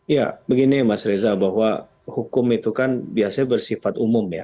ya begini mas reza bahwa hukum itu kan biasanya bersifat umum ya